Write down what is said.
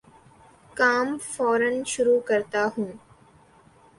کام فورا شروع کرتا ہوں